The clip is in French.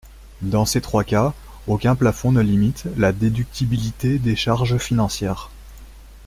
Dans ces trois cas, aucun plafond ne limite la déductibilité des charges financières.